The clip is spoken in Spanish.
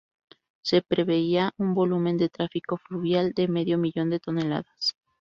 Se preveía un volumen de tráfico fluvial de medio millón de toneladas.